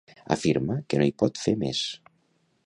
Afirma que no hi pot fer més?